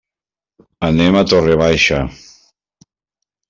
Anem a Torre Baixa.